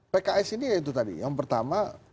pks ini ya itu tadi yang pertama